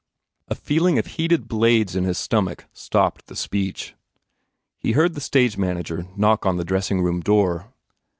A feeling of heated blades in his stomach stopped the speech. He heard the stage manager knock on the dressing room door.